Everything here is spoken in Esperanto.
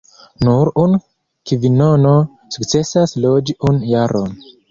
Nur unu kvinono sukcesas loĝi unu jaron.